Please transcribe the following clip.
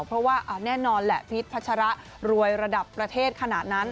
เพราะว่าแน่นอนแหละพีชพัชระรวยระดับประเทศขนาดนั้น